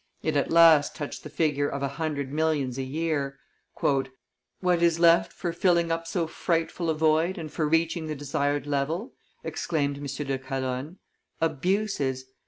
It at last touched the figure of a hundred millions a year. "What is left for filling up so frightful a void and for reaching the desired level?" exclaimed M. de Calonne: "abuses!